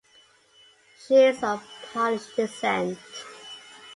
She is of Polish descent.